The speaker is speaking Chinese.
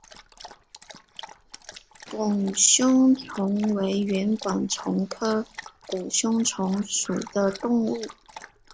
拱胸虫为圆管虫科拱胸虫属的动物。